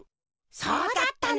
そうだったのか！